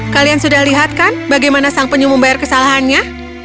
kalian sudah lihat kan bagaimana sang penyu membayar kesalahannya